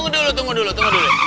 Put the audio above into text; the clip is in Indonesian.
dulu tunggu dulu